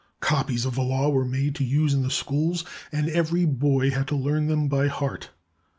Copies of the laws were made to use in the schools, and every boy had to learn them by heart.